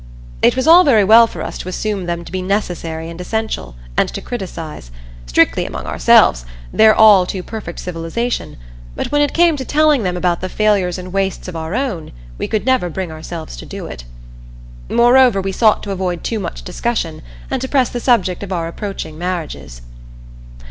It was all very well for us to assume them to be necessary and essential, and to criticize strictly among ourselves their all too perfect civilization, but when it came to telling them about the failures and wastes of our own, we never could bring ourselves to do it. Moreover, we sought to avoid too much discussion, and to press the subject of our approaching marriages.